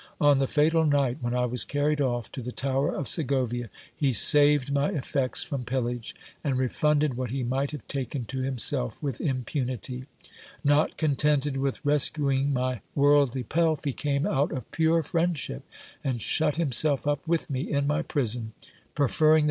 On the fatal night when I was carried off to the tower of Segovia, he saved my effects from pillage, and refunded what he might have taken to him self with impunity : not contented with rescuing my worldly pelf, he came out of pure friendship and shut himself up with me in my prison, preferring the.